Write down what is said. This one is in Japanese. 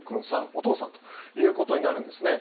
お父さんということになるんですね。